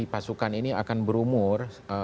pasukan ini akan berumur